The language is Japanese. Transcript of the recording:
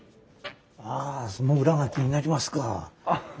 あその裏が気になりますか？